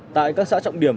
tại các xã trọng điểm